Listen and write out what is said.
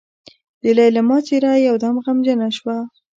د ليلما څېره يودم غمجنه شوه.